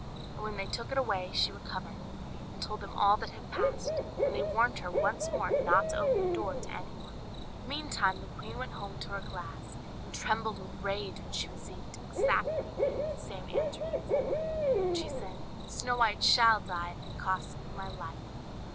And when they took it away, she recovered, and told them all that had passed; and they warned her once more not to open the door to anyone. Meantime the queen went home to her glass, and trembled with rage when she received exactly the same answer as before; and she said "Snow White shall die, if it costs me my life."